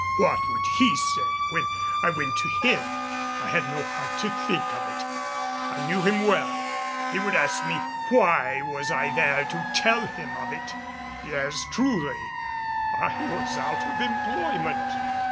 What would he say when I went to him? I had no heart to think of it I knew him well. He would ask me why was I there to tell him of it? Yes, truly, I was out of employment.